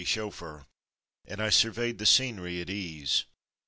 S.C. chauffeur, and I surveyed the scenery at ease.